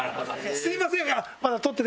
すいません